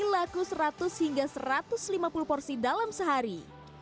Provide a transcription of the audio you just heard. berlaku seratus hingga satu ratus lima puluh porsi dalam sehari